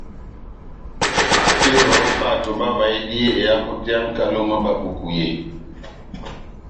Akeva ó bato bavahidi ehavo tɛ́h yá nʼkalo mwá Bapuku yé.